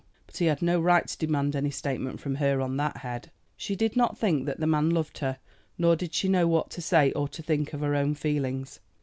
But he had no right to demand any statement from her on that head. She did not think that the man loved her; nor did she know what to say or to think of her own feelings.